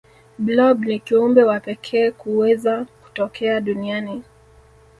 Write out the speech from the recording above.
blob ni kiumbe wa pekee kuweza kutokea duniani